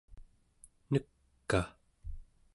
nek'a